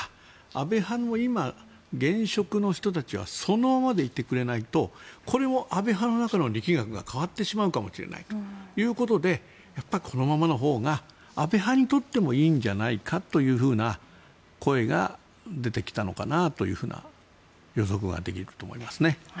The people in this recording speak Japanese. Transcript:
安倍派の現職の人たちはそのままでいてくれないとこれも安倍派の中の力学が変わってしまうかもしれないということでやっぱり、このままのほうが安倍派にとってもいいんじゃないかという声が出てきたのかなという予測ができると思います。